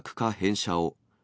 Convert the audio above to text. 車を。